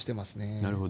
なるほど。